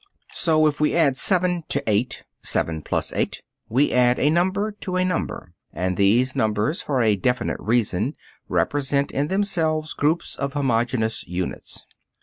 So, if we add 7 to 8 (7 + 8), we add a number to a number, and these numbers for a definite reason represent in themselves groups of homogeneous units.